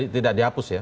tidak dihapus ya